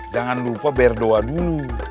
jangan lupa berdoa dulu